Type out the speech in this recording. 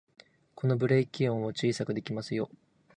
これでブレーキ音を小さくできますよ